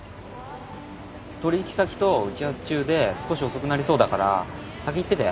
取引先と打ち合わせ中で少し遅くなりそうだから先行ってて。